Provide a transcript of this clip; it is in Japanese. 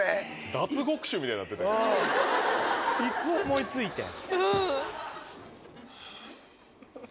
いつ思い付いてん？